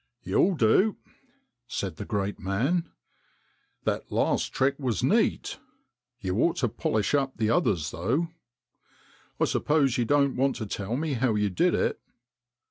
" You'll do," said the great man ;" that last trick was neat. You ought to polish up the others though. I suppose you don't want to tell me how you did it